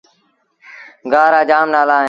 گآه رآ جآم نآلآ اهيݩ۔